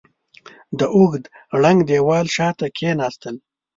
د اوږده ړنګ دېوال شاته کېناستل.